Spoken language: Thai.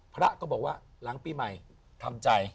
พระก็บอกว่าหลังปีใหม่ทำใจ